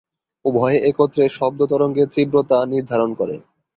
উভয়ে একত্রে শব্দ তরঙ্গের তীব্রতা নির্ধারণ করে।